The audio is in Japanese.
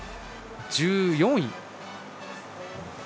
１４位。